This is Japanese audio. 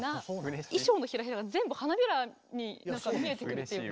衣装のヒラヒラが全部花びらに見えてくるっていうか。